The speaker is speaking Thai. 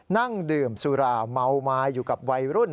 นั่งดื่มสุราเมาไม้อยู่กับวัยรุ่น